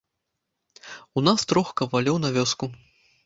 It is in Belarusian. У нас трох кавалёў на вёску.